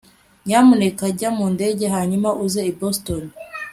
nyamuneka jya mu ndege hanyuma uze i boston